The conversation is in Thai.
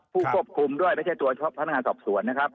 ผู้ควบคุมด้วยไม่ใช่ตัวเฉพาะพนักงานสอบสวนนะครับ